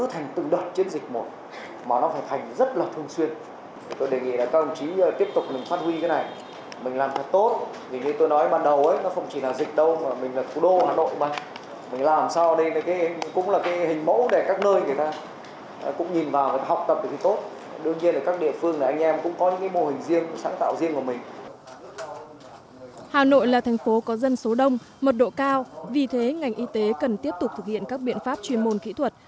hà nội là thành phố có dân số đông mật độ cao vì thế ngành y tế cần tiếp tục thực hiện các biện pháp chuyên môn kỹ thuật